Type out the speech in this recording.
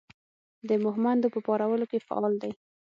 د مهمندو په پارولو کې فعال دی.